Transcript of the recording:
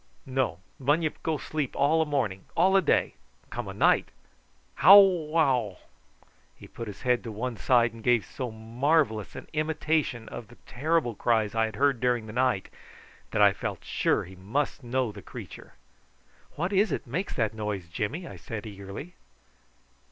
"No. Bunyip go sleep all a morning all a day! Come a night. How wow!" He put his head on one side and gave so marvellous an imitation of the terrible cries I had heard during the night that I felt sure he must know the creature. "What is it makes that noise, Jimmy?" I said eagerly.